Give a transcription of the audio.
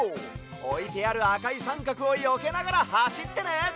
おいてあるあかいさんかくをよけながらはしってね！